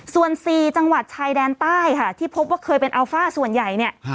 ส่วน๔จังหวัดชายแดนใต้ค่ะที่พบว่าเคยเป็นอัลฟ่าส่วนใหญ่เนี่ย